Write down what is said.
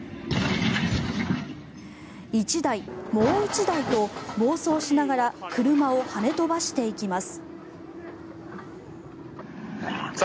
１台、もう１台と暴走しながら車を跳ね飛ばしていきます。